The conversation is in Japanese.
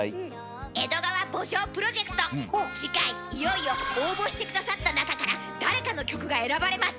「江戸川慕情」プロジェクト次回いよいよ応募して下さった中から誰かの曲が選ばれます！